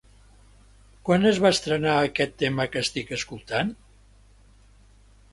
Quan es va estrenar aquest tema que estic escoltant?